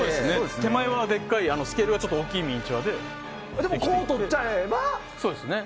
手前はでっかいスケールが大きいミニチュアででも、こう撮っちゃえばと。